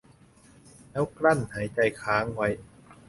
แล้วกลั้นหายใจค้างไว้